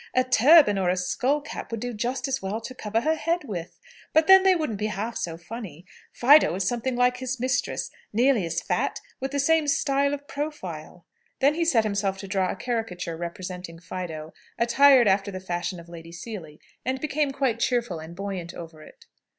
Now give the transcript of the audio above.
A turban or a skull cap would do just as well to cover her head with. But then they wouldn't be half so funny. Fido is something like his mistress nearly as fat, and with the same style of profile." Then he set himself to draw a caricature representing Fido, attired after the fashion of Lady Seely, and became quite cheerful and buoyant over it.